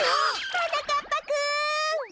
はなかっぱくん！